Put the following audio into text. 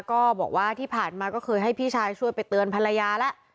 ก็บอกว่าที่ผ่านมาก็เคยให้พี่ชายช่วยไปเตือนภรรยาแล้ว